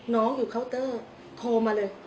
น้องอยู่เคาน์เตอร์โทรมาเลย